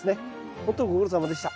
ほんとご苦労さまでした。